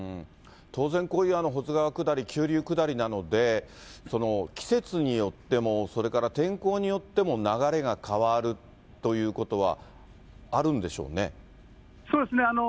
当然、こういう保津川下り、急流下りなので、季節によっても、それから天候によっても、流れが変わるということはあるんでしょそうですね。